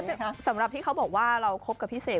สำหรับที่เขาบอกว่าเราคบกับพี่เสก